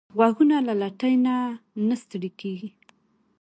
غوږونه له لټۍ نه نه ستړي کېږي